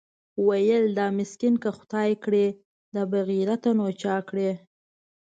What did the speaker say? ويل دا مسکين که خداى کړې دا بېغيرته نو چا کړې؟